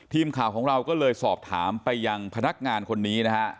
ทีมข่าวของเราก็เลยสอบถามไปยังพนักงานคนนี้นะฮะ